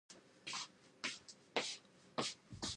It was useful for trading goods from Asiatic Turkey (Anatolia).